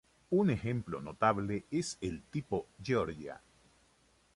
Un ejemplo notable es el tipo Georgia.